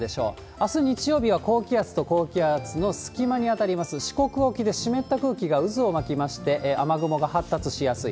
あす日曜日は、高気圧と高気圧の隙間に当たります四国沖で湿った空気が渦を巻きまして、雨雲が発達しやすい。